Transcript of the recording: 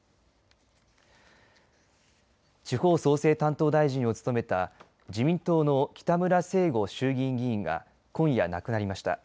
地方創生担当大臣を務めた自民党の北村誠吾衆議院議員が今夜亡くなりました。